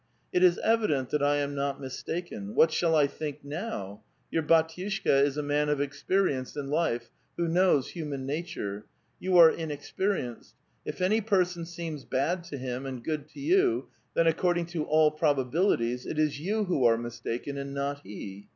" It is evident that I am not mistaken. What shall I think now? Your bdtiushka is a man of experience in life, who knows human nature ; you are inexperienced ; if any person seems bad to him, and good to you, then according to all probabilities it is you who are mistaken, and not he.